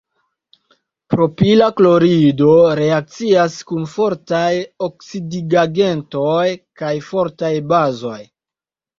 Propila klorido reakcias kun fortaj oksidigagentoj kaj fortaj bazoj.